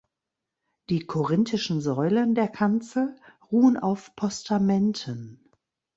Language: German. Die korinthischen Säulen der Kanzel ruhen auf Postamenten.